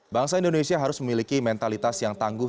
bangsa indonesia harus memiliki mentalitas yang tangguh